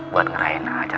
buat ngerahin aja